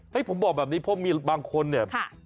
ให้ผมบอกแบบนี้เพราะมีบางคนเนี่ย